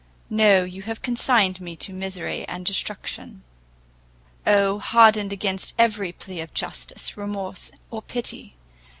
No, you have consigned me to misery and destruction! Oh, hardened against every plea of justice, remorse, or pity!